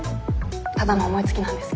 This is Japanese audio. ただの思いつきなんですけど。